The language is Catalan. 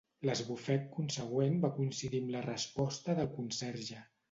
L'esbufec consegüent va coincidir amb la resposta del conserge.